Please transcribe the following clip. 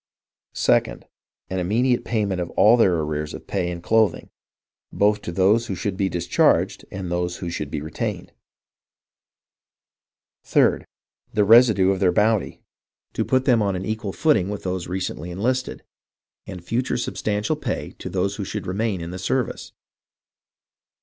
2d, An immediate payment of all their arrears of pay and cloth ing, both to those who should be discharged, and those who should be retained. 3d, The residue of their bounty, THE REVOLT OF THE SOLDIERS 311 to put them on an equal footing with those recently enlisted, and future substantial pay to those who should remain in the service.